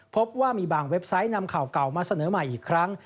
พบว่ามีบางเว็บไซต์นำข่าวเก่ามาเสนอใหม่อีกครั้ง